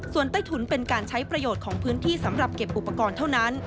ส่วนใต้ถุนเป็นการใช้ประโยชน์ของพื้นที่สำหรับเก็บอุปกรณ์เท่านั้น